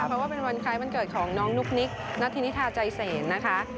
เพราะว่าเป็นวันคล้ายวันเกิดของน้องนุ๊กนิกนัทธินิทาใจเศษนะคะ